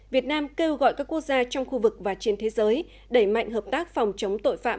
việt nam kêu gọi các quốc gia trong khu vực và trên thế giới đẩy mạnh hợp tác phòng chống tội phạm